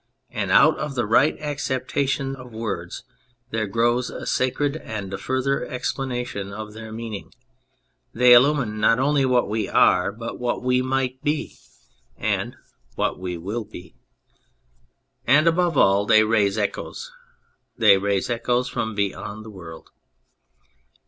And out of the right acceptation of words there grows a sacred and a further explanation of their meaning : they illumine not only what we are but what we might be and 28 On the Simplicity of Words what we will be. And, above all, they raise echoes : they raise echoes from beyond the world.